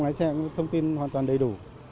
lái xe cũng thông tin hoàn toàn đầy đủ